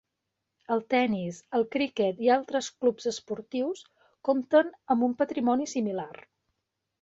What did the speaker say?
El tennis, el criquet i altres clubs esportius comptem amb un patrimoni similar.